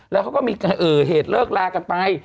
แล้วเขาก็มีเหตุเลิกลากันไป